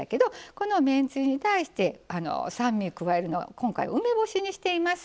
このめんつゆに対して酸味を加えるのは今回梅干しにしています。